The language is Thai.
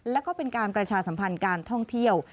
แล้วก็เป็นการประชาสัมพันธ์การท่องเที่ยว